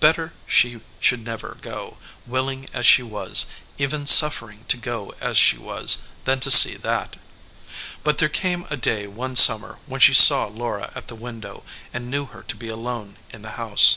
Better she should never go, willing as she was, even suffering to go as she was, than to see that. But there came a day one summer when she saw Laura at the window and knew her to be alone in the house.